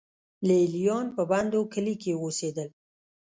لې لیان په بندو کلیو کې اوسېدل